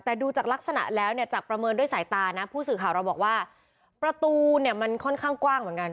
แต่ดูจากลักษณะแล้วเนี่ยจากประเมินด้วยสายตานะผู้สื่อข่าวเราบอกว่าประตูเนี่ยมันค่อนข้างกว้างเหมือนกัน